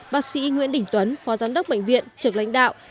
bác sĩ nguyễn đình tuấn phó giám đốc bệnh viện trực lãnh đạo